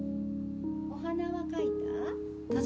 お鼻は描いた？